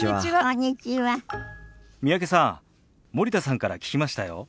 三宅さん森田さんから聞きましたよ。